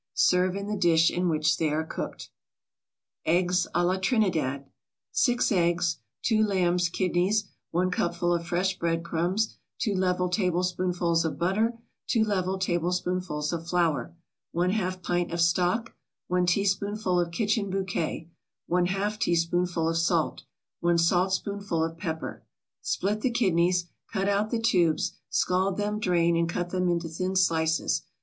Serve in the dish in which they are cooked. EGGS A LA TRINIDAD 6 eggs 2 lamb's kidneys 1 cupful of fresh bread crumbs 2 level tablespoonfuls of butter 2 level tablespoonfuls of flour 1/2 pint of stock 1 teaspoonful of kitchen bouquet 1/2 teaspoonful of salt 1 saltspoonful of pepper Split the kidneys, cut out the tubes; scald them, drain, and cut them into thin slices.